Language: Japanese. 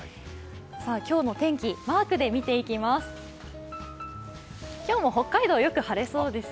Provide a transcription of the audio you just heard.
今日の天気、マークで見ていきます